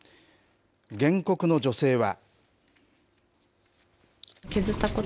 原告の女性は。